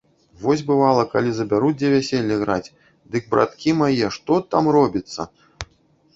Вось бывала, калі забяруць дзе вяселле граць, дык, браткі мае, што там робіцца!